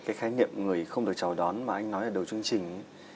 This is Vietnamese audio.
cái khái niệm người không được chào đón mà anh nói ở đầu chương trình ấy